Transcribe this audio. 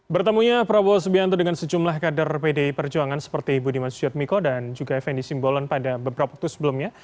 bertemunya prabowo subianto dengan sejumlah kader pdi perjuangan seperti ibu dimas sujadmiko dan juga fn di simbolon pada beberapa waktu sebelumnya